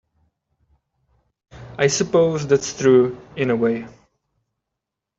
I suppose that's true in a way.